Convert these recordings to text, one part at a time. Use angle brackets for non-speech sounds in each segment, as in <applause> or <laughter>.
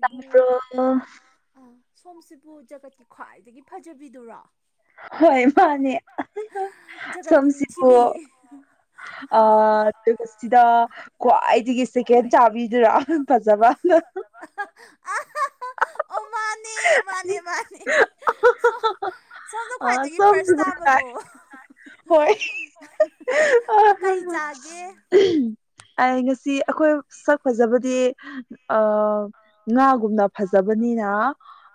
ꯇꯃ꯭ꯔꯣ ꯑ ꯁꯣꯝꯁꯤꯕꯨ ꯖꯒꯠꯀꯤ ꯈ꯭ꯋꯥꯏꯗꯒꯤ ꯐꯖꯕꯤꯗꯨꯔꯣ ꯍꯣꯏ ꯃꯥꯅꯦ ꯖꯒꯥꯠꯀꯤ ꯅꯤꯡꯊꯤꯕꯤ ꯑ ꯍꯥꯎ ꯑꯗꯨꯒ ꯁꯤꯗ ꯈ꯭ꯋꯥꯏꯗꯒꯤ ꯁꯦꯀꯦꯟ ꯆꯥꯕꯤꯗꯨꯔꯥ ꯐꯖꯕꯅ ꯑ ꯑꯣ ꯃꯥꯅꯦ ꯃꯥꯅꯦ ꯃꯥꯅꯦ ꯁꯣꯝꯗ ꯑ ꯈ꯭ꯋꯥꯏꯗꯒꯤ ꯐꯥꯔꯁ ꯁꯣꯝꯁꯤꯕꯨ ꯇꯥꯕꯗꯣ ꯅꯨꯡꯉꯥꯏ ꯍꯣꯏ ꯀꯩ ꯆꯥꯒꯦ ꯑꯩ ꯉꯁꯤ ꯑꯩꯈꯣꯏ ꯁꯛ ꯐꯖꯕꯗꯤ ꯉꯥ ꯒꯨꯝꯅ ꯐꯖꯕꯅꯤꯅ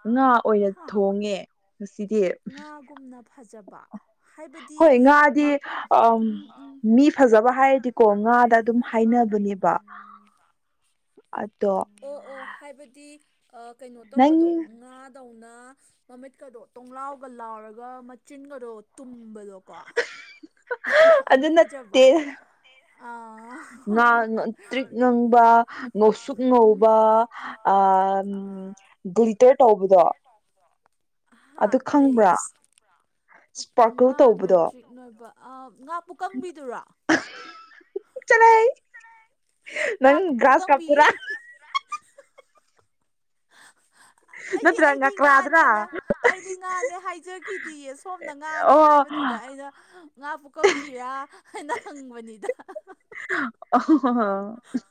ꯉꯥ ꯑꯣꯏꯅ ꯊꯣꯡꯉꯦ ꯉꯁꯤꯗꯤ ꯀꯨꯝꯅ ꯐꯖꯕ ꯍꯥꯏꯕꯗꯤ ꯍꯣꯏ ꯉꯥꯗꯤ ꯃꯤ ꯐꯖꯕ ꯍꯥꯏꯔꯗꯤꯀꯣ ꯉꯥꯗ ꯑꯗꯨꯝ ꯍꯥꯏꯅꯕꯅꯦꯕ ꯑꯗꯣ ꯑꯣ - ꯑꯣ ꯍꯥꯏꯕꯗꯤ ꯀꯩꯅꯣ ꯅꯪ ꯇꯧꯕꯗꯣ ꯉꯥ ꯇꯧꯅ ꯃꯃꯤꯠꯀꯗꯣ ꯇꯣꯡꯡꯂꯥꯎꯒ ꯂꯥꯎꯔꯒ ꯃꯆꯤꯟꯒꯗꯣ ꯇꯨꯝꯕꯗꯣ <unintelligible> ꯑꯗꯨ ꯅꯠꯇꯦ ꯑꯥ ꯉ ꯇ꯭ꯔꯤꯛ ꯉꯪꯕ ꯉꯧꯁꯨꯛ ꯎꯝ ꯉꯧꯕ ꯒ꯭ꯜꯇꯔ ꯇꯧꯕꯗꯣ ꯍꯥꯥ ꯑꯗꯨ ꯀꯩ ꯈꯪꯕ꯭ꯔꯥ ꯏꯁꯄꯥꯔꯀꯜ ꯉꯥ ꯇꯧꯕꯗꯣ ꯅꯣꯏꯇ꯭ꯔꯤꯛ ꯅꯣꯏꯕ ꯉꯥ ꯄꯨꯨ ꯀꯪꯕꯤꯗꯨꯔꯣ ꯆꯠꯂ ꯉꯥ ꯅꯪ ꯄꯨ ꯒ꯭ꯔꯥꯁ ꯀꯝꯕꯤ ꯀꯥꯞꯇꯔꯥ ꯑꯩꯗꯤ - ꯅꯠꯇ꯭ꯔꯒ ꯑꯩꯗꯤ ꯉꯀ꯭ꯔꯥꯗ꯭ꯔꯥ ꯉꯥꯅꯦꯅ ꯑꯩꯗꯤ ꯉꯥꯅꯦ ꯍꯥꯏꯖꯈꯤꯗꯤꯌꯦ ꯁꯣꯝꯅ ꯉꯥꯅꯦ ꯑꯣ ꯍꯥꯏꯕ ꯑꯗꯨꯗ ꯑꯩꯅ ꯉꯥ ꯄꯨꯀꯪꯡꯕꯤꯔ ꯍꯥꯏꯅ ꯍꯪꯡꯕꯅꯤ <unintelligible>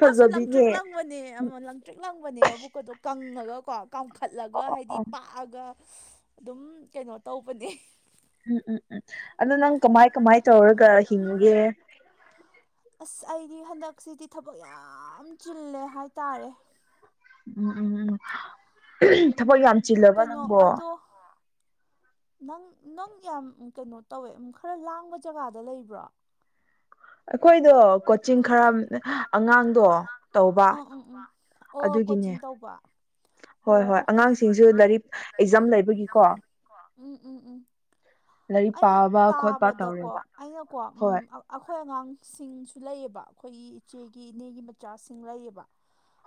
ꯃꯥꯁꯨ ꯂꯪꯇ꯭ꯔꯤꯛ ꯐꯖꯕꯤꯅꯦ ꯂꯪ ꯑꯃꯅꯦ ꯑꯃ ꯂꯪꯡꯇ꯭ꯔꯤꯛ ꯂꯪꯕꯅꯦ ꯃꯕꯨꯛꯀꯗꯣ ꯀꯪꯉꯒ ꯀꯣ ꯀꯥꯝꯈꯠꯂꯒ ꯑꯣ ꯍꯥꯏꯗꯤ ꯑꯣ ꯄꯥꯛꯑꯒ ꯑꯗꯨꯝ ꯀꯩꯅꯣ ꯇꯧꯕꯅꯦ ꯎꯝ ꯎꯝ ꯎꯝ ꯑꯗꯨ ꯅꯪ ꯀꯃꯥꯏ - ꯀꯃꯥꯏ ꯇꯧꯔꯒ ꯍꯤꯡꯉꯨꯒꯦ ꯑꯁ ꯑꯩꯗꯤ ꯍꯟꯗꯛꯁꯤꯗꯤ ꯊꯕꯛ ꯌꯥꯝ ꯆꯤꯜꯂꯦ ꯍꯥꯏꯇꯥꯔꯦ ꯎꯝ ꯎꯝ ꯎꯝ ꯎꯝ ꯊꯕꯛ ꯌꯥꯝ ꯆꯤꯜꯂꯕ ꯀꯩꯅꯣ ꯅꯪꯕꯣ ꯑꯗꯣ ꯅꯪ - ꯅꯪ ꯌꯥꯝ ꯀꯩꯅꯣ ꯇꯧꯋꯦ ꯈꯔ ꯂꯥꯡꯕ ꯖꯒꯥꯗ ꯂꯩꯕ꯭ꯔꯣ ꯑꯩꯈꯣꯏꯗꯣ ꯀꯣꯆꯤꯡ ꯈꯔ ꯑꯉꯥꯡꯗꯣ ꯇꯧꯕ <inaudible> ꯑꯣ ꯑꯗꯨꯒꯤꯅꯦ ꯀꯣꯆꯤꯡ ꯇꯧꯕ ꯑꯣꯣ ꯍꯣꯏ - ꯑꯉꯥꯡꯁꯤꯡꯁꯨ ꯂꯥꯏꯔꯤꯛ ꯍꯣꯏ ꯑꯦꯛꯖꯥꯝ ꯑꯉꯥꯡꯁꯤꯡꯁꯨ ꯂꯥꯏꯔꯤ ꯑꯦꯛꯖꯥꯝ ꯂꯩꯕꯒꯤꯀꯣ ꯂꯩꯕꯒꯤ ꯀꯣ ꯎꯝ ꯎꯝ ꯎꯝ ꯂꯥꯏꯔꯤꯛ ꯑꯩꯅ ꯄꯥꯕ ꯈꯣꯠꯄ ꯇꯥꯕꯗꯀꯣ ꯇꯧꯔꯦꯕ ꯑꯩꯅ ꯀꯣ ꯎꯝ ꯍꯣꯏ ꯑꯩꯈꯣꯏ ꯑꯉꯥꯡꯁꯤꯡꯁꯨ ꯂꯩꯑꯕ ꯑꯩꯈꯣꯏꯒꯤ ꯏꯆꯦꯒꯤ ꯏꯅꯦꯒꯤ ꯃꯆꯥꯁꯤꯡ ꯂꯩꯌꯦꯕ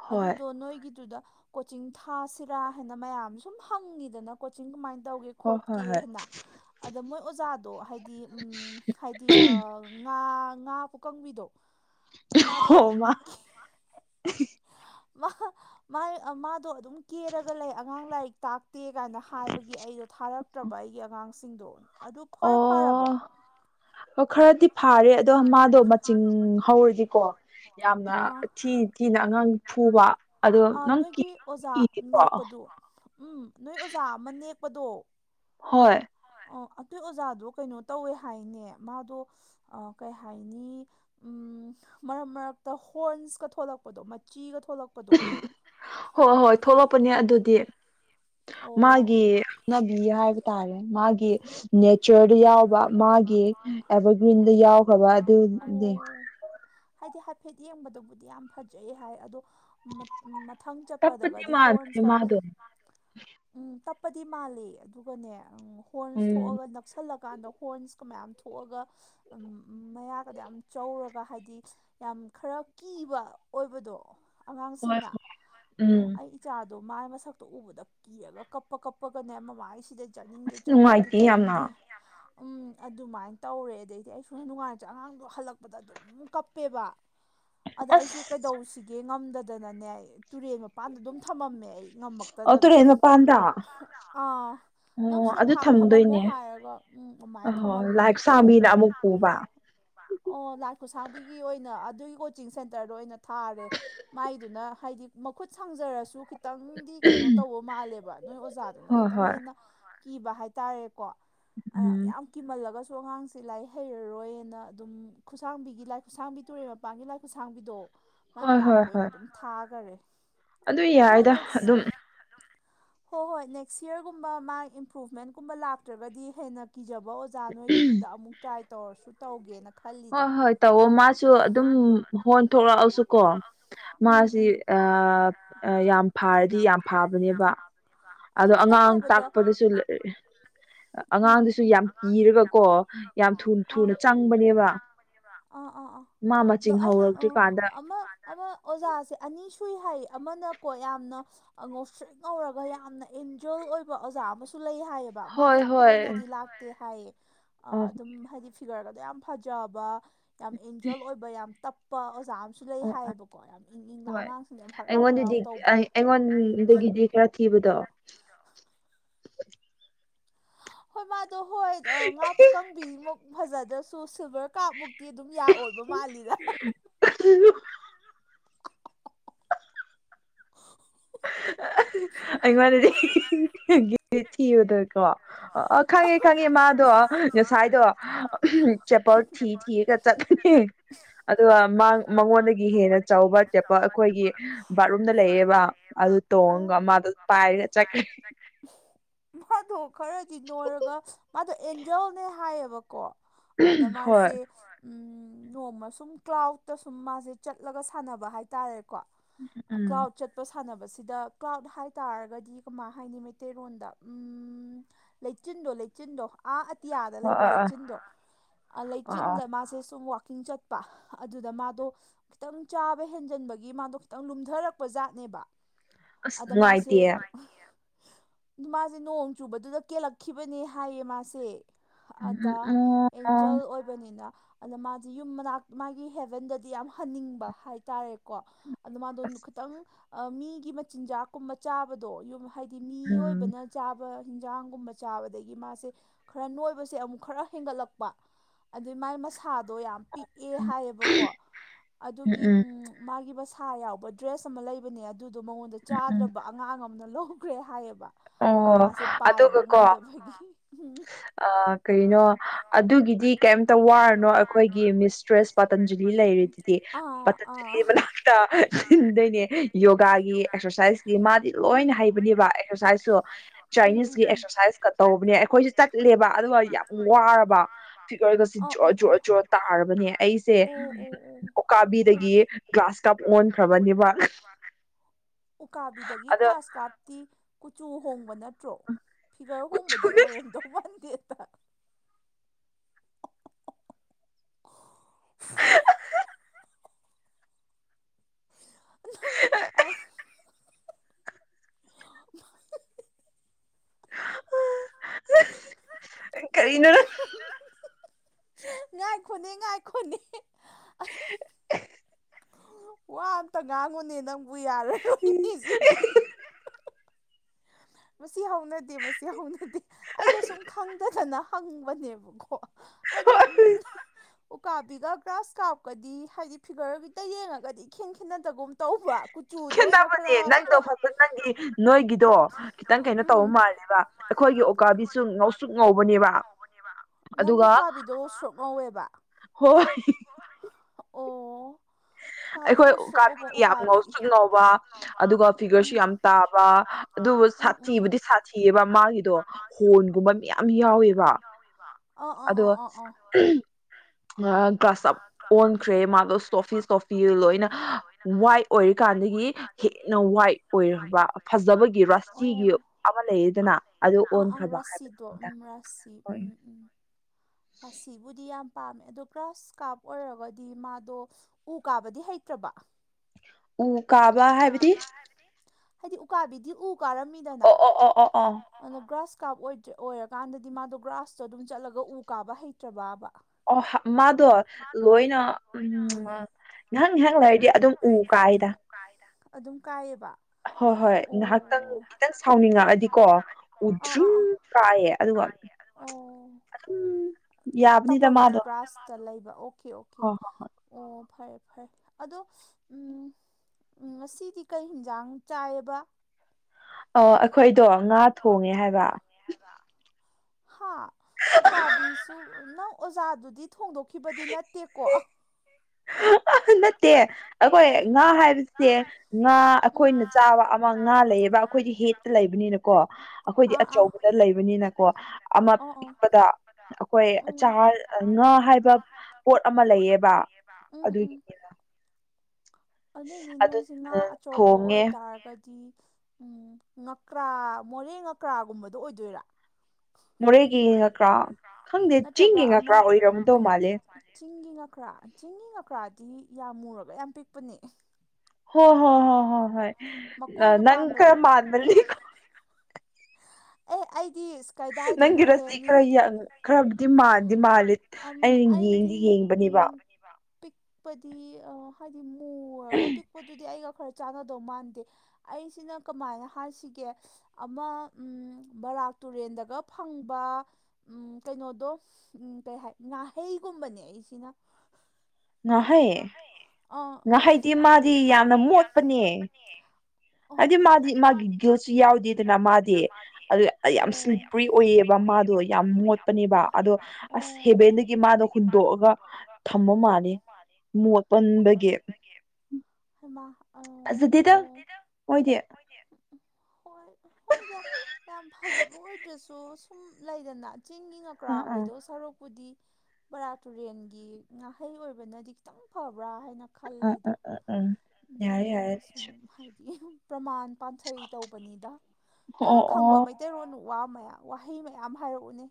ꯍꯣꯏ ꯑꯗꯨꯗꯣ ꯅꯣꯏꯒꯤꯗꯨꯗ ꯀꯣꯆꯤꯡ ꯊꯥꯁꯤꯔꯥ ꯍꯥꯏꯅ ꯃꯌꯥꯝ ꯁꯨꯝ ꯍꯪꯉꯤꯗꯅ ꯀꯣꯆꯤꯡ ꯀꯃꯥꯏꯅ ꯇꯧꯒꯦ ꯍꯣꯏ ꯍꯣꯏ ꯈꯣꯠꯀꯦ ꯍꯣꯏ ꯍꯥꯏꯅ ꯑꯗ ꯃꯣꯏ ꯑꯣꯖꯥꯗꯣ ꯍꯥꯏꯗꯤ ꯎꯝ ꯍꯥꯏꯗꯤ ꯉꯥ - ꯉꯥ ꯀꯪꯕꯤꯗꯣ <unintelligible> ꯃꯥꯗꯣ ꯑꯗꯨꯝ ꯀꯦꯔꯒ ꯂꯩ ꯑꯉꯥꯡ ꯂꯥꯏꯔꯤꯛ ꯇꯥꯛꯇꯦ ꯀꯥꯏꯅ ꯍꯥꯏꯕꯒꯤ ꯑꯩꯗꯣ ꯊꯥꯔꯛꯇ꯭ꯔꯕ ꯑꯩꯒꯤ ꯑꯉꯥꯡꯁꯤꯡꯗꯣ ꯑꯗꯨ ꯐꯔ ꯐꯔꯕꯣ ꯑꯣ ꯑꯣ ꯈꯔꯗꯤ ꯐꯥꯔꯦ ꯑꯗꯣ ꯃꯥꯗꯣ ꯃꯤꯡ ꯍꯧꯔꯗꯤꯀꯣ ꯌꯥꯝꯅ ꯑꯥ ꯊꯤ ꯊꯤꯅ ꯑꯉꯥꯡ ꯐꯨꯕ ꯑꯗꯣ ꯑꯥ ꯅꯪ ꯀꯤ ꯅꯣꯏꯒꯤ ꯑꯣꯖꯥ ꯀꯤꯗꯦ ꯀꯣ ꯅꯦꯛꯄꯗꯣ ꯎꯝ ꯅꯣꯏ ꯑꯣꯖꯥ ꯑꯃ ꯅꯦꯛꯄꯗꯣ ꯍꯣꯏ ꯑꯣ ꯑꯗꯨꯏ ꯑꯣꯖꯥꯗꯣ ꯀꯩꯅꯣ ꯇꯧꯋꯦ ꯍꯥꯏꯅꯦ ꯃꯥꯗꯣ ꯑ ꯀꯩ ꯍꯥꯏꯅꯤ ꯎ ꯃꯔꯛ ꯃꯔꯛꯇ ꯍꯣꯔꯟꯁꯀꯥ ꯊꯣꯛꯂꯛꯄꯗꯣ ꯃꯆꯤꯒ ꯊꯣꯛꯂꯛꯄꯗꯣ ꯍꯣꯏ - ꯍꯣꯏ ꯊꯣꯛꯂꯛꯄꯅꯦ ꯑꯗꯨꯗꯤ ꯑꯣ ꯃꯥꯒꯤ ꯆꯠꯅꯕꯤ ꯍꯥꯏꯕ ꯇꯥꯔꯦ ꯃꯥꯒꯤ ꯅꯦꯆꯔꯗ ꯌꯥꯎꯕ ꯃꯥꯒꯤ ꯑꯦꯚꯔꯒ꯭ꯔꯤꯟꯗ ꯌꯥꯎꯈ꯭ꯔꯕ ꯑꯗꯨꯅꯦ ꯑꯣ ꯍꯥꯏꯗꯤ ꯍꯥꯏꯐꯦꯠ ꯌꯦꯡꯕꯗꯕꯨꯗꯤ ꯌꯥꯝ ꯐꯖꯩ ꯍꯥꯏ ꯑꯗꯣ ꯃꯊꯪꯡ ꯇꯞꯄꯗꯤ ꯆꯠꯄꯗꯒꯗꯤ ꯍꯣꯔꯟ ꯃꯥꯟꯕꯅꯦ ꯃꯥꯗꯣ ꯎꯝ ꯇꯞꯄꯗꯤ ꯃꯥꯜꯂꯤ ꯑꯗꯨꯒꯅꯦ ꯎꯝ ꯍꯣꯔꯟꯁ ꯎꯝ ꯊꯣꯛꯑꯒ ꯀꯛꯁꯜꯂꯀꯥꯟꯗ ꯍꯣꯔꯟꯁꯀ ꯃꯌꯥꯝ ꯊꯣꯛꯑꯒ ꯃꯌꯥꯀꯗ ꯌꯥꯝ ꯆꯧꯔꯒ ꯍꯥꯏꯗꯤ ꯌꯥꯝ ꯈꯔ ꯀꯤꯕ ꯑꯣꯏꯕꯗꯣ ꯍꯣꯏ ꯑꯉꯥꯡꯁꯤꯡꯅ ꯎꯝ ꯑꯩ ꯏꯆꯥꯗꯣ ꯃꯥꯏ ꯃꯁꯛꯇꯣ ꯎꯕꯗ ꯀꯤꯔꯒ ꯀꯞꯄ ꯀꯞꯄꯒꯅꯦ ꯃꯃꯥ ꯑꯩ ꯁꯤꯗ ꯆꯠꯅꯤꯡꯗꯦ ꯑꯁ ꯆꯠꯅꯤꯡꯗꯦ ꯅꯨꯡꯉꯥꯏꯇꯦ ꯌꯥꯝꯅ ꯆꯠꯅꯤꯡꯗꯦ ꯎꯝ ꯑꯗꯨꯃꯥꯏꯅ ꯇꯧꯔꯦ ꯑꯗꯩꯗꯤ ꯑꯩꯁꯨ ꯅꯨꯡꯉꯥꯏꯇ꯭ꯔꯦ ꯑꯉꯥꯡꯗꯣ ꯍꯜꯂꯛꯄꯗ ꯑꯗꯨꯝ ꯀꯞꯄꯦꯕ ꯑꯗ ꯑꯁ ꯑꯩꯁꯦ ꯀꯩꯗꯧꯁꯤꯒꯦ ꯉꯝꯗꯗꯅꯅꯦ ꯇꯨꯔꯦꯟ ꯃꯄꯥꯟꯗ ꯑꯗꯨꯝ ꯊꯝꯃꯝꯃꯦ ꯑꯩ ꯉꯥꯝꯃꯛꯇꯗ ꯑꯣ ꯇꯨꯔꯦꯟ ꯃꯄꯥꯟꯗ ꯇꯨꯔꯦꯟ ꯃꯄꯥꯟꯗ ꯑꯥ ꯅꯪ ꯑꯣ ꯁꯤꯗ ꯑꯗꯨ ꯉꯥꯏꯍꯥꯛ ꯐꯝꯃꯝꯃꯣ ꯊꯝꯗꯣꯏꯅꯦ ꯍꯥꯏꯔꯒ ꯎꯝ ꯑꯗꯨꯃꯥꯏꯅ ꯑꯍꯣꯏ ꯊꯝꯃꯝꯃꯦ ꯂꯥꯏꯛ ꯁꯥꯕꯤꯅ ꯑꯃꯨꯛ ꯄꯨꯕ ꯑꯣ ꯂꯥꯏꯠ ꯈꯨꯁꯥꯡꯕꯤꯒꯤ ꯑꯣꯏꯅ ꯑꯗꯨꯒꯤ ꯀꯣꯆꯤꯡ ꯁꯦꯟꯇꯔꯗ ꯑꯣꯏꯅ ꯊꯥꯔꯦ ꯃꯥꯏꯗꯨꯅ ꯍꯥꯏꯗꯤ ꯃꯈꯨꯠ ꯁꯥꯡꯖꯔꯁꯨ ꯈꯤꯇꯪꯗꯤ ꯀꯩꯅꯣ ꯇꯧꯕ ꯃꯥꯜꯂꯦꯕ ꯅꯣꯏ ꯑꯣꯖꯥꯗꯨꯅ ꯍꯣꯏ ꯈꯤꯇꯪ ꯍꯣꯏ ꯍꯦꯟꯅ ꯀꯤꯕ ꯍꯥꯏꯇꯥꯔꯦꯀꯣ ꯑ ꯎꯝ ꯌꯥꯝ ꯀꯤꯃꯜꯂꯒꯁꯨ ꯑꯉꯥꯡꯁꯦ ꯂꯥꯏꯔꯤ ꯍꯩꯔꯔꯣꯏꯅ ꯑꯗꯨꯝ ꯈꯨꯁꯥꯡꯕꯤꯒꯤ ꯂꯥꯏ ꯈꯨꯁꯥꯡꯕꯤ ꯇꯨꯔꯦꯟ ꯃꯄꯥꯟꯒꯤ ꯂꯥꯏ ꯈꯨꯁꯥꯡꯕꯤꯗꯣ ꯃꯥꯏ ꯍꯣꯏ ꯍꯣꯏ ꯃꯅꯥꯛꯇ ꯑꯣꯏꯅ ꯍꯣꯏ ꯑꯗꯨꯝ ꯊꯥꯈꯔꯦ ꯑꯗꯨ ꯌꯥꯏꯗ ꯑꯗꯨꯝ <unintelligible> ꯍꯣꯏ ꯍꯣꯏ ꯅꯦꯛꯁ ꯌꯔꯒꯨꯝꯕ ꯃꯥ ꯏꯝꯄ꯭ꯔꯨꯚꯃꯦꯟꯒꯨꯝꯕ ꯂꯥꯛꯇ꯭ꯔꯒꯗꯤ ꯍꯦꯟꯅ ꯀꯤꯖꯕ ꯑꯣ ꯆꯖꯥ ꯅꯣꯏꯒꯤꯗꯨꯗ ꯑꯃꯨꯛ ꯇ꯭ꯔꯥꯏ ꯇꯧꯔꯁꯨ ꯇꯧꯒꯦꯅ ꯈꯜꯂꯤ ꯍꯣꯏ ꯍꯣꯏ ꯇꯧꯑꯣ ꯃꯥꯁꯨ ꯑꯗꯨꯝ ꯍꯣꯟ ꯊꯣꯛꯂꯛꯑꯁꯨ ꯀꯣ ꯎꯝ ꯃꯥꯁꯤ ꯎꯝ ꯌꯥꯝ ꯐꯥꯔꯗꯤ ꯌꯥꯝ ꯐꯥꯕꯅꯦꯕ ꯑꯗꯨ ꯑꯗꯣ ꯃꯤꯅ ꯑꯉꯥꯡ ꯍꯥꯏꯕꯗ ꯇꯥꯛꯄꯗꯁꯨ ꯂꯩ ꯎꯝ ꯎꯝ ꯑꯉꯥꯡꯗꯨꯁꯨ ꯎꯝ ꯌꯥꯝ ꯀꯤꯔꯒ ꯀꯣ ꯌꯥꯝ ꯊꯨ ꯑꯥ ꯊꯨꯅ ꯆꯪꯕꯅꯦꯕ ꯑꯥ ꯑꯥ ꯑꯥ ꯃꯥ ꯑꯗꯣ ꯃꯆꯤꯡ ꯑꯩꯅ ꯍꯧꯔꯛꯇ꯭ꯔꯤꯀꯥꯟꯗ ꯑꯃ ꯑꯃ ꯑꯣꯖꯥꯁꯦ ꯑꯅꯤ ꯁꯨꯏ ꯍꯥꯏ ꯑꯃꯅꯀꯣ ꯌꯥꯝꯅ ꯉꯧꯔꯒ ꯌꯥꯝꯅ ꯑꯦꯟꯖꯦꯜ ꯑꯣꯏꯕ ꯑꯣꯖꯥ ꯑꯃꯁꯨ ꯂꯩ ꯍꯥꯏꯌꯦꯕ ꯍꯣꯏ ꯌꯥꯝ ꯍꯣꯏ ꯇꯣꯏꯅꯗꯤ ꯂꯛꯇꯦ ꯍꯥꯏꯌꯦ ꯑꯣ ꯑꯗꯨꯝ ꯍꯥꯏꯗꯤ ꯊꯤꯈꯔꯒꯗ ꯌꯥꯝ ꯐꯖꯕ ꯌꯥꯝ ꯑꯦꯟꯖꯦꯜ ꯑꯣꯏꯕ ꯌꯥꯝ ꯇꯞꯄ ꯑꯣꯖꯥ ꯑꯥ ꯁꯨ ꯂꯩ ꯑꯣ ꯍꯥꯏꯌꯦꯕꯀꯣ ꯌꯥꯝ ꯏꯪ ꯏꯪꯕ ꯍꯣꯏ ꯑꯉꯥꯡꯁꯤꯡꯗ ꯌꯥꯝ ꯍꯔꯥꯎ ꯍꯔꯥꯎ ꯑꯩꯉꯣꯟꯗꯗꯤ ꯇꯧꯕ ꯑꯩ ꯑꯩꯉꯣꯟꯗꯒꯤꯗꯤ ꯈꯔ ꯊꯤꯕꯗꯣ <unintelligible> ꯍꯣꯏ ꯃꯥꯗꯣ ꯍꯣꯏ ꯉꯥ ꯄꯨꯛꯀꯪꯕꯤꯃꯨꯛ ꯐꯖꯗ꯭ꯔꯁꯨ ꯁꯤꯜꯚꯔ ꯀꯥꯞꯃꯨꯛ ꯇꯤ ꯑꯗꯨꯝ ꯌꯥꯑꯣꯏꯕ ꯃꯥꯜꯂꯤꯗ <unintelligible> <unintelligible> <unintelligible> ꯑꯩꯉꯣꯟꯗꯗꯤ <unintelligible> ꯊꯤꯕꯗꯨ ꯅꯇ꯭ꯔꯣ ꯈꯪꯉꯦ ꯈꯪꯉꯦ ꯃꯥꯗꯣ ꯉꯁꯥꯏꯗꯣ ꯆꯦꯄꯜ ꯊꯤ ꯊꯤꯔꯒ ꯆꯠꯄꯅꯦ <unintelligible> ꯑꯗꯨꯒ ꯃꯉꯣꯟꯗꯒꯤ ꯍꯦꯟꯅ ꯆꯥꯎꯕ ꯆꯦꯞꯄꯜ ꯑꯩꯈꯣꯏꯒꯤ ꯕꯥꯠꯔꯨꯝꯗ ꯂꯩꯌꯦꯕ ꯑꯗꯨ ꯎꯝ ꯇꯣꯡꯉꯒ ꯃꯥꯗꯣ ꯄꯥꯏꯔꯒ ꯆꯠꯈ꯭ꯔꯦ ꯃꯥꯗꯣ ꯈꯔꯗꯤ ꯅꯣꯏꯔꯒ ꯃꯥꯗꯣ ꯑꯦꯟꯖꯦꯜꯅꯦ ꯍꯥꯏꯌꯦꯕꯀꯣ ꯑꯗ ꯍꯣꯏ ꯃꯥꯁꯦ ꯅꯣꯡꯃ ꯁꯨꯝ ꯀ꯭ꯂꯥꯎꯠ ꯇ ꯁꯨꯝ ꯃꯥꯁꯦ ꯆꯠꯂꯒ ꯁꯥꯟꯅꯕ ꯍꯥꯏꯇꯥꯔꯦꯀꯣ ꯎꯝ ꯀ꯭ꯂꯥꯎꯠ ꯆꯠ ꯁꯥꯟꯅꯕꯁꯤꯗ ꯀ꯭ꯂꯥꯎꯠ ꯍꯥꯏꯇꯥꯥꯔꯒꯗꯤ ꯀꯃꯥꯏ ꯍꯥꯏꯅꯤ ꯃꯩꯇꯩꯔꯣꯟꯗ ꯂꯩꯆꯤꯟꯗꯣ ꯂꯩꯆꯤꯟꯗꯣ ꯑꯥ ꯑꯇꯤꯌꯥꯗ ꯍꯣꯏ ꯂꯩꯕ ꯑ ꯑꯥ ꯂꯩꯆꯤꯟꯗꯣ ꯑꯥ ꯑꯥ ꯂꯩꯆꯤꯟꯗ ꯃꯥꯁꯦ ꯁꯨꯝ ꯋꯥꯀꯤꯡ ꯆꯠꯄ ꯑꯗꯨꯗ ꯃꯥꯗꯣ ꯈꯤꯇꯪ ꯆꯥꯕ ꯍꯦꯟꯖꯟꯕꯒꯤ ꯃꯥꯗꯣ ꯈꯤꯇꯪ ꯂꯨꯝꯊꯔꯛꯄ ꯖꯥꯠꯅꯦꯕ ꯑꯁ ꯑꯗ ꯃꯥꯁꯦ ꯅꯨꯡꯉꯥꯏꯇꯦ ꯑꯗꯨ ꯃꯥꯁꯦ ꯅꯣꯡ ꯆꯨꯕꯗꯨꯗ ꯀꯦꯜꯂꯛꯈꯤꯕꯅꯦ ꯍꯥꯏꯌꯦ ꯃꯥꯁꯦ ꯎꯝ ꯑꯗ ꯎꯝ ꯑꯣ ꯑꯣ ꯑꯦꯟꯖꯜ ꯑꯣꯏ ꯍꯥꯏꯕꯅꯤꯅ ꯑꯗ ꯃꯥꯁꯦ ꯌꯨꯝ ꯃꯅꯥꯛ ꯃꯥꯒꯤ ꯍꯦꯚꯦꯟꯗꯗꯤ ꯌꯥꯝ ꯍꯟꯅꯤꯡꯕ ꯍꯥꯏꯇꯥꯔꯦꯀꯣ ꯑꯗ ꯃꯥꯗꯣ ꯑꯁ ꯈꯤꯇꯪ ꯃꯤꯒꯤ ꯃꯆꯤꯟꯖꯥꯛꯀꯨꯝꯕ ꯆꯥꯕꯗꯣ ꯌꯨꯝ ꯍꯥꯏꯗꯤ ꯎꯝ ꯃꯤꯑꯣꯏꯕꯅ ꯆꯥꯕ ꯍꯤꯟꯖꯥꯡꯒꯨꯝꯕ ꯆꯥꯕꯗꯒꯤ ꯃꯥꯁꯦ ꯈꯔ ꯅꯣꯏꯕꯁꯦ ꯑꯃꯨꯛ ꯈꯔ ꯍꯦꯟꯒꯠꯂꯛꯄ ꯑꯗꯨꯏ ꯃꯥꯏ ꯃꯁꯥꯗꯣ ꯌꯥꯝ ꯄꯤꯛꯑꯦ ꯎꯝ ꯍꯥꯏꯌꯦꯕꯀꯣ ꯎꯝ ꯑꯗꯨꯒꯤ ꯎꯝ ꯎ ꯃꯥꯒꯤ ꯃꯁꯥ ꯌꯥꯎꯕ ꯗ꯭ꯔꯦꯁ ꯑꯃ ꯂꯩꯕꯅꯦ ꯑꯗꯨꯗꯣ ꯃꯉꯣꯟꯗ ꯎꯝ ꯎꯝ ꯆꯥꯗ꯭ꯔꯕ ꯑꯉꯥꯡ ꯑꯃꯅ ꯂꯧꯈ꯭ꯔꯦ ꯍꯥꯏꯌꯦꯕ ꯑ ꯑꯣ ꯃꯥꯁꯦ ꯄꯥꯏꯕ ꯑꯗꯨꯒ ꯀꯣ ꯉꯝꯗꯕꯒꯤ ꯑ ꯀꯩꯅꯣ ꯑꯗꯨꯒꯤꯗꯤ ꯀꯌꯦꯝꯇ ꯋꯥꯔꯨꯅꯣ ꯑꯩꯈꯣꯏꯒꯤ ꯃꯤꯁꯇ꯭ꯔꯦꯁ ꯄꯇꯟꯖꯂꯤ ꯂꯩꯔꯤꯗꯨꯗꯤ ꯑꯥ ꯑꯥ ꯄꯇꯟꯖꯂꯤ ꯃꯅꯥꯛꯇ ꯁꯤꯟꯗꯣꯏꯅꯦ ꯌꯣꯒꯥꯒꯤ ꯑꯦꯛꯁꯔꯁꯥꯏꯁꯀꯤ ꯃꯥꯗꯤ ꯂꯣꯏꯅ ꯍꯩꯕꯅꯦꯕ ꯑꯦꯛꯁꯔꯁꯥꯏꯁ ꯁꯨ ꯎꯝ ꯎꯝ ꯎꯝ ꯆꯥꯏꯅꯤꯁꯀꯤ ꯎꯝ ꯑꯦꯛꯁꯔꯁꯥꯏꯁꯀ ꯑꯥ ꯇꯧꯕꯅꯦ ꯑꯩꯈꯣꯏꯁꯨ ꯆꯠꯂꯦꯕ ꯑꯗꯨꯒ ꯌꯥꯝ ꯋꯥꯔꯕ ꯐꯤꯒꯔꯒꯖꯦ ꯑꯣ ꯖꯣꯔ ꯑꯣ ꯑꯣ ꯖꯣꯔ ꯖꯣ ꯇꯥꯔꯕꯅꯦ ꯑꯩ ꯁꯦ ꯑꯣ ꯑꯣ ꯑꯣ ꯎꯀꯥꯕꯤꯗꯒꯤ ꯒ꯭ꯂꯥꯁꯀꯥꯞ ꯑꯣꯟꯈ꯭ꯔꯕꯅꯦꯕ <inaudible> ꯎꯀꯥꯕꯤꯗꯒꯤ ꯑꯗꯣ ꯒ꯭ꯔꯥꯁ ꯀꯥꯞꯇꯤ ꯀꯨꯆꯨ ꯍꯣꯡꯕ ꯅꯠ ꯇ꯭ꯔꯣ ꯐꯤꯒꯔ ꯍꯣꯡꯕꯗꯤ ꯀꯨꯆꯨꯅ ꯑꯣꯏꯔꯝꯗꯧ ꯃꯥꯟꯗꯦꯗ <inaudible> <unintelligible> <inaudible> <unintelligible> <unintelligible> ꯉꯥꯏꯈꯣꯅꯦ ꯉꯥꯏꯈꯣꯅꯦ <inaudible> ꯋꯥ ꯑꯝꯇ ꯉꯥꯡꯉꯨꯅꯦ ꯅꯪꯕꯨ ꯌꯥꯔꯔꯣꯏꯅꯦ ꯁꯤꯗꯤ ꯃꯁꯤ ꯍꯧꯅꯗꯦ ꯃꯁꯤ ꯍꯧꯅꯗꯦ ꯑꯩꯗꯣ ꯁꯨꯝ ꯈꯪꯗꯗꯅ ꯍꯪꯕꯅꯦꯕꯀꯣ ꯍꯥꯏꯗꯤ ꯍꯣꯏ ꯎꯝ ꯎꯀꯥꯕꯤꯒ ꯒ꯭ꯔꯥꯁ ꯀꯥꯞꯀꯗꯤ ꯍꯥꯏꯗꯤ ꯐꯤꯒꯔ ꯈꯤꯇ ꯌꯦꯡꯉꯒꯗꯤ ꯏꯈꯦꯟ ꯈꯦꯠꯅꯗꯒꯨꯝ ꯇꯧꯕ꯭ꯔ ꯀꯨꯆꯨꯗꯣ ꯑꯣꯏꯅ ꯈꯔ ꯈꯦꯠꯅꯕꯅꯦ ꯅꯪꯗꯣ ꯐꯖ ꯅꯪꯒꯤ ꯅꯣꯏꯒꯤꯗꯣ ꯈꯤꯇꯪ ꯀꯩꯅꯣ ꯇꯧꯕ ꯎꯝ ꯃꯥꯜꯂꯦꯕ ꯑꯩꯈꯣꯏꯒꯤ ꯎꯀꯥꯕꯤꯁꯨ ꯉꯧꯁꯨꯛ ꯉꯧꯕꯅꯦꯕ ꯅꯪꯒꯤ ꯑꯗꯨꯒ ꯀ꯭ꯋꯥꯕꯤꯗꯣ ꯁꯣꯛꯉꯧꯋꯦꯕ ꯍꯣꯏ ꯑꯣ ꯎꯀꯥꯕꯤ ꯑꯩꯈꯣꯏ ꯎ ꯉꯧꯁ꯭ꯔꯣꯛꯉꯧꯕ ꯀꯥꯕꯤꯗꯤ ꯌꯥꯝ ꯎꯀꯥꯕꯤ ꯉꯧꯁꯨ ꯉꯧꯕ ꯑꯗꯨꯒ ꯎꯝ ꯐꯤꯒꯔꯁꯨ ꯌꯥꯝ ꯇꯥꯕ ꯑꯗꯨꯕꯨ ꯎꯝ ꯎꯝ ꯎꯝ ꯁꯥꯊꯤꯕꯨꯗꯤ ꯁꯥꯊꯤꯑꯕ ꯃꯥꯒꯤꯗꯣ ꯍꯣꯔꯟꯒꯨꯝꯕ ꯃꯌꯥꯝ ꯌꯥꯎꯋꯦꯕ <unintelligible> ꯑꯗꯣ ꯑꯥ ꯑꯥ ꯒ꯭ꯂꯥꯁ ꯑꯞ ꯑꯣꯟꯈ꯭ꯔꯦ ꯃꯥꯗꯣ ꯁꯣꯐꯤ ꯁꯣꯐ ꯐꯤꯜ ꯂꯣꯏꯅ ꯋꯥꯏ ꯑꯣꯏꯔꯤꯀꯥꯟꯗꯒꯤ ꯍꯦꯟꯅ ꯋꯥꯏꯠ ꯑꯣꯏꯔꯕ ꯐꯖꯕꯒꯤꯔꯥ ꯑꯥ ꯁꯤꯒꯤ ꯑꯣ ꯑꯃ ꯂꯩꯌꯦꯗꯅ ꯑꯗꯨ ꯑꯣꯟꯈ꯭ꯔꯕ ꯍꯥꯏꯕ ꯏꯗꯣ ꯎꯝ ꯔꯥꯁꯤ ꯎꯝ ꯑꯁꯤꯕꯨꯗꯤ ꯌꯥꯝ ꯄꯥꯝꯃꯦ ꯑꯗꯣ ꯀꯔꯥꯁ ꯀꯥꯞ ꯑꯣꯏꯔꯒꯗꯤ ꯃꯥꯗꯣ ꯎ ꯀꯥꯕꯗꯤ ꯍꯩꯇ꯭ꯔꯕ ꯎ ꯀꯥꯕ ꯍꯥꯏꯕꯗꯤ ꯍꯥꯏꯗꯤ ꯎꯀꯥꯕꯤꯗꯤ ꯎ ꯀꯥꯔꯝꯃꯤꯗꯅ ꯑꯣ ꯑꯣ ꯑꯣ ꯑꯣ ꯑꯣ ꯑꯗꯣ ꯒ꯭ꯔꯥꯁ ꯀꯥꯞ ꯑꯣꯏꯗ꯭ꯔꯦ ꯑꯣꯏꯔꯀꯥꯟꯗꯗꯤ ꯃꯥꯗꯣ ꯒ꯭ꯔꯥꯁꯇꯣ ꯑꯗꯨꯝ ꯆꯠꯂꯒ ꯎ ꯀꯥꯕ ꯍꯩꯇ꯭ꯔꯕꯕ ꯑꯣ ꯃꯥꯗꯣ ꯂꯣꯏꯅ ꯎꯝ ꯉꯥꯏꯍꯥꯛ ꯉꯥꯏꯍꯥꯛ ꯂꯩꯔꯗꯤ ꯑꯗꯨꯝ ꯎ ꯀꯥꯏꯗ ꯑꯗꯨꯝ ꯀꯥꯏꯑꯕ ꯍꯣꯏ ꯍꯣꯏ ꯉꯍꯥꯛꯇꯪ ꯈꯤꯇꯪ ꯁꯥꯎꯅꯤꯡꯉꯛꯑꯗꯤꯀꯣ ꯑꯥ ꯎꯗꯔ꯭ꯤꯡ ꯑꯥ ꯑꯥ ꯀꯥꯏꯌꯦ ꯑꯗꯨꯒ ꯑꯣ ꯑꯗꯨꯝ ꯌꯥꯕꯅꯤꯗ ꯇꯞꯄꯒꯗꯤ ꯃꯥꯗꯣ ꯒꯔꯥꯁꯇ ꯂꯩꯕ ꯑꯣꯀꯦ ꯑꯣꯀꯦ ꯍꯣꯏ ꯍꯣꯏ ꯑꯣ ꯐꯔꯦ ꯐꯔꯦ ꯑꯗꯣ ꯎꯝ ꯎꯝ ꯉꯁꯤꯗꯤ ꯀꯩ ꯍꯤꯟꯖꯥꯡ ꯆꯥꯏꯌꯦꯕ ꯑꯣ ꯑꯩꯈꯣꯏꯗꯣ ꯉꯥ ꯊꯣꯡꯉꯦ ꯍꯥꯏꯕ ꯍꯥꯥ ꯎꯀꯥꯕꯤꯁꯨ ꯅꯪ ꯑꯣꯖꯥꯗꯨꯗꯤ ꯊꯣꯡꯗꯣꯛꯈꯤꯕꯗꯤ ꯅꯠꯇꯦꯀꯣ ꯅꯠꯇꯦ ꯑꯩꯈꯣꯏ ꯉꯥ ꯍꯥꯏꯕꯁꯤꯗꯤ ꯉꯥ ꯎꯝ ꯑꯩꯈꯣꯏꯅ ꯆꯥꯕ ꯑꯃ ꯉꯥ ꯂꯩꯌꯦꯕ ꯑꯩꯈꯣꯏꯗꯤ ꯍꯦꯠꯇ ꯂꯩꯕꯅꯤꯅꯀꯣ ꯑꯩꯈꯣꯏꯗꯤ ꯑꯥ ꯑꯥ ꯑꯆꯧꯕꯗ ꯂꯩꯕꯅꯤꯅꯀꯣ ꯑꯃ ꯑꯣ ꯑꯣ ꯄꯤꯛꯄꯗ ꯑꯩꯈꯣꯏ ꯎꯝ ꯆꯥꯔ ꯉꯥ ꯍꯥꯏꯕ ꯄꯣꯠ ꯑꯃ ꯂꯩꯌꯦꯕ ꯎꯝ ꯑꯗꯨꯒꯤ ꯎꯝ ꯑꯗꯨꯏꯗꯤ ꯑꯗꯨ ꯅꯣꯏꯁꯨ ꯉꯥ ꯑꯆꯧꯕ ꯊꯣꯡꯉꯦ ꯑꯣꯏꯇꯥꯔꯒꯗꯤ ꯎꯝ ꯉꯀ꯭ꯔꯥ ꯃꯣꯔꯦ ꯉꯀ꯭ꯔꯥꯒꯨꯝꯕꯗꯣ ꯑꯣꯏꯗꯣꯏꯔꯥ ꯃꯣꯔꯦꯒꯤ ꯉꯀ꯭ꯔꯥ ꯈꯪꯗꯦ ꯅꯠꯇ꯭ꯔꯒ ꯆꯤꯡꯒꯤ ꯑꯃ ꯉꯀ꯭ꯔꯥ ꯑꯣꯏꯔꯝꯗꯧ ꯃꯥꯜꯂꯦ ꯆꯤꯡꯒꯤ ꯉꯀ꯭ꯔꯥ ꯆꯤꯡꯒꯤ ꯉꯀ꯭ꯔꯥꯗꯤ ꯌꯥꯝ ꯃꯨꯔꯒ ꯌꯥꯝ ꯄꯤꯛꯄꯅꯦ ꯍꯣ ꯍꯣ ꯍꯣ ꯍꯣ ꯍꯣꯏ ꯃꯀꯣꯏꯒ ꯅꯪ ꯄꯥꯟꯕꯗꯣ ꯈꯔ ꯃꯥꯟꯕꯅꯤ ꯑꯦ ꯑꯩꯗꯤ ꯅꯪꯒꯤ ꯀꯗꯥꯏꯗꯅꯣ ꯔꯁꯤ ꯍꯦꯟ ꯃꯤ ꯈꯔ ꯌꯥꯡ- ꯈꯔꯕꯨꯗꯤ ꯃꯥꯟꯗꯤ ꯃꯥꯜꯂꯤ ꯑꯝ ꯑꯩꯅ ꯌꯦꯡꯗꯤ ꯑꯩꯗꯤ ꯌꯦꯡꯕꯅꯦꯕ ꯎꯝ ꯄꯤꯛꯄꯗꯤ ꯑ ꯍꯥꯏꯗꯤ ꯃꯣꯨꯔꯒ ꯄꯤꯛꯄꯗꯨꯗꯤ ꯑꯩꯒ ꯈꯔ ꯆꯥꯟꯅꯗꯧ ꯃꯥꯟꯗꯦ ꯑꯩꯁꯤꯅ ꯀꯃꯥꯏꯅ ꯍꯥꯏꯁꯤꯒꯦ ꯑꯃ ꯕꯔꯥꯛ ꯇꯨꯔꯦꯟꯗꯒ ꯐꯪꯕ ꯎ ꯀꯩꯅꯣꯗꯣ ꯀꯩ ꯍꯥꯏ ꯉꯥꯍꯩꯒꯨꯝꯕꯅꯦ ꯑꯩꯁꯤꯅ ꯉꯥꯍꯩ ꯑꯥ ꯑꯃ ꯉꯥꯍꯩꯗꯤ ꯃꯥꯗꯤ ꯌꯥꯝꯅ ꯃꯣꯠꯄꯅꯦ ꯑꯣ ꯍꯥꯏꯗꯤ ꯃꯥꯗꯤ ꯃꯥꯒꯤ ꯒꯤꯜꯁꯨ ꯌꯥꯎꯗꯦꯗꯅ ꯃꯥꯗꯤ ꯑꯗꯨ ꯌꯥꯝ ꯑꯣ ꯁꯤꯜ ꯐ꯭ꯔꯤ ꯑꯣꯏꯑꯕ ꯃꯥꯗꯣ ꯌꯥꯝ ꯃꯣꯠꯄꯅꯦꯕ ꯑꯗꯣ ꯑꯣ ꯑꯁ ꯍꯦꯕꯦꯟꯗꯒꯤ ꯃꯥꯗꯣ ꯍꯩꯃꯥ ꯍꯨꯟꯗꯣꯛꯑꯒ ꯊꯝꯕ ꯃꯥꯜꯂꯦ ꯃꯣꯠ ꯃꯟꯕꯒꯤ ꯍꯩꯃꯥ ꯐꯖꯗꯦꯗ ꯃꯣꯏꯗꯤ ꯍꯣꯏ ꯍꯣꯏꯗ ꯌꯥꯝ ꯐꯖꯕ ꯑꯣꯏꯗ꯭ꯔꯁꯨ ꯁꯨꯝ ꯂꯩꯗꯅ ꯆꯤꯡꯒꯤꯉꯛ ꯀ꯭ꯔꯥ ꯑꯥ ꯑꯥ ꯑꯣꯏꯗꯣ ꯁꯔꯣꯛꯄꯨꯗꯤ ꯕꯔꯥ ꯇꯨꯔꯦꯟꯒꯤ ꯉꯥꯍꯩ ꯑꯣꯏꯕꯅꯗꯤ ꯈꯤꯇꯪ ꯐꯕ꯭ꯔꯥ ꯍꯥꯏꯅ ꯑꯥ ꯑꯥ ꯈꯜꯂꯤꯗ ꯎꯝ ꯌꯥꯔꯦ ꯑꯗꯨꯒꯤ ꯌꯥꯔꯦ ꯑꯩꯅ ꯁꯨꯝ ꯑꯗꯨꯁꯨ꯫ ꯍꯥꯏꯗꯤ ꯄ꯭ꯔꯃꯥꯟ ꯄꯥꯟꯊꯩ ꯇꯧꯕꯅꯤꯗ ꯅꯪꯅ ꯑꯣ ꯈꯪꯕ ꯑꯣ ꯃꯩ ꯇꯦꯔꯣꯟ ꯋꯥ ꯃꯌꯥꯝ ꯋꯥꯍꯩ ꯃꯌꯥꯝ ꯍꯥꯏꯔꯛꯎꯅꯦ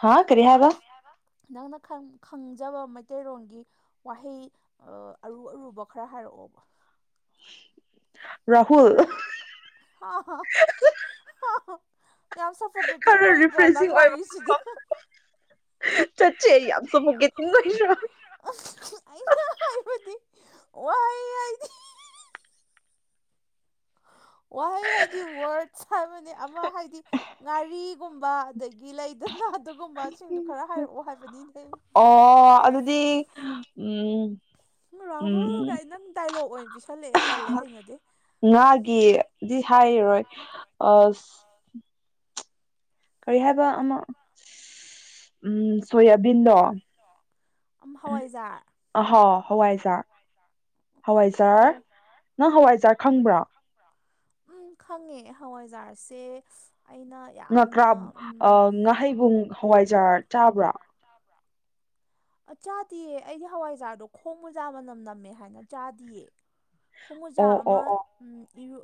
ꯍꯥ ꯀꯔꯤ ꯍꯥꯏꯕ ꯅꯪꯅ ꯈꯪ ꯈꯪꯖꯕ ꯃꯩꯇꯩꯔꯣꯟꯒꯤ ꯋꯥꯍꯩ ꯑꯔꯨ ꯑꯔꯨꯕ ꯈꯔ ꯍꯥꯏꯔꯛꯑꯣ ꯔꯥꯍꯨꯜ <unintelligible> ꯌꯥꯝ ꯁꯐꯣꯒꯦꯇꯤꯡ ꯈꯔ ꯑꯣꯏꯕꯗꯔ ꯅꯪ ꯔꯤꯐ꯭ꯔꯦꯁꯤꯡ ꯋꯥꯔꯤꯁꯤꯗꯤ ꯆꯠꯆꯦ ꯌꯥꯝ ꯁꯐꯣꯒꯦꯇꯤꯡ ꯑꯣꯏꯗꯔ ꯑꯩꯅ ꯍꯥꯏꯕꯗꯤ ꯋꯥꯍꯩ ꯍꯥꯏꯗꯤ ꯋꯥꯍꯩ ꯍꯥꯏꯗꯤ ꯋꯥꯔꯗꯁ ꯍꯥꯏꯕꯅꯤ ꯑꯃ ꯍꯥꯏꯗꯤ ꯉꯥꯔꯤꯒꯨꯝꯕ ꯑꯗꯒꯤ ꯂꯩꯗꯅ ꯑꯗꯨꯒꯨꯝꯕꯁꯤꯡꯗꯨ ꯈꯔ ꯍꯥꯏꯔꯛꯑꯣ ꯍꯥꯏꯕꯅꯤꯅꯦ ꯑꯣ ꯑꯗꯨꯗꯤ ꯎꯝ ꯔꯥꯍꯨꯜꯒ ꯎꯝ ꯑꯩ ꯅꯪ ꯗꯥꯏꯂꯣꯛ ꯑꯣꯏꯅ ꯄꯤꯁꯜꯂꯛꯑꯦ ꯇꯜꯂꯦ ꯍꯩꯅꯗꯦ꯫ ꯉꯥꯒꯤꯗꯤ ꯍꯥꯏꯔꯣꯏ ꯑꯁ ꯀꯔꯤ ꯍꯥꯏꯕ ꯑꯃ ꯎꯝ ꯁꯣꯌꯥꯕꯤꯟꯗꯣ ꯑꯝ ꯎꯝ ꯍꯋꯥꯏꯖꯥꯔ ꯑꯍꯣ ꯍꯋꯥꯏꯖꯥꯔ ꯍꯋꯥꯏꯖꯥꯔ ꯑꯣ ꯅꯪ ꯍꯋꯥꯏꯖꯥꯔ ꯈꯪꯕ꯭ꯔꯥ ꯎꯝ ꯈꯪꯉꯦ ꯍꯋꯥꯏꯖꯥꯔꯁꯦ ꯑꯩꯅ ꯉꯀ꯭ꯔꯥ ꯌꯥꯝꯅ ꯎꯝ ꯉꯥꯍꯩꯕꯨꯡ ꯍꯋꯥꯏꯖꯥ ꯆꯥꯕ꯭ꯔꯥ ꯑ ꯆꯥꯗꯤꯌꯦ ꯑꯩꯗꯤ ꯍꯋꯥꯏꯖꯥꯔꯗꯣ ꯈꯣꯡ ꯃꯖꯥ ꯃꯅꯝ ꯅꯝꯃꯦ ꯍꯥꯏꯅ ꯆꯥꯗꯤꯌꯦ꯫ ꯈꯣꯡꯃꯣꯖꯥ ꯑꯣ ꯑꯃ ꯑꯣ ꯑꯣ ꯏꯔꯨ